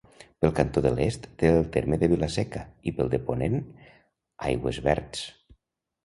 Pel cantó de l'est té el terme de Vila-seca, i pel ponent, Aigüesverds.